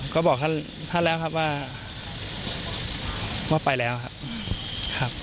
ก็บอกท่านแล้วครับว่าไปแล้วครับ